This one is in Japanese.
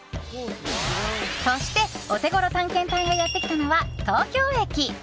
そして、オテゴロ探検隊がやってきたのは東京駅！